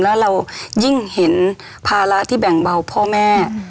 แล้วเรายิ่งเห็นภาระที่แบ่งเบาพ่อแม่